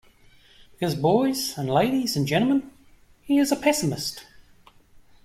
Because, boys and ladies and gentlemen, he is a pessimist.